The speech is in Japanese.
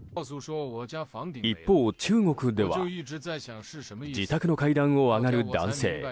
一方、中国では自宅の階段を上がる男性。